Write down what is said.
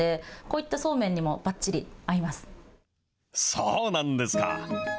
そうなんですか。